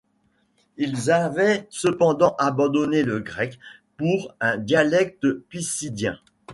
Ils avaient cependant abandonné le grec pour un dialecte pisidien.